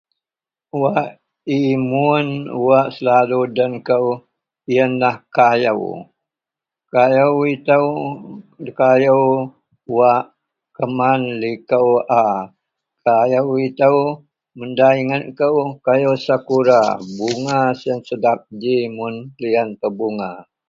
wak imun wak selalu den kou ienlah kayou, kayou itou kayou wak keman likou a, kayou itou mun da ingat kou kayou Sakura, bunga siyen sedap ji mun lian pebunga